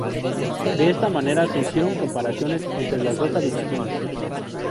De esta manera se hicieron comparaciones entre las dos habitaciones.